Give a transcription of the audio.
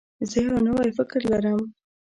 زه یو نوی فکر لرم.